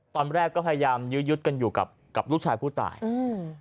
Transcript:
ตอนแรกก็พยายามยื้อยุดกันอยู่กับกับลูกชายผู้ตายอืม